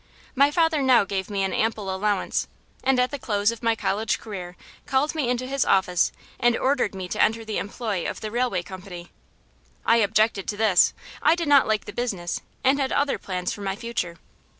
My father now gave me an ample allowance, and at the close of my college career called me into his office and ordered me to enter the employ of the railway company. I objected to this. I did not like the business and had other plans for my future.